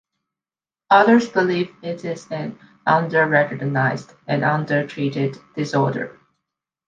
Others believe it is an underrecognized and undertreated disorder.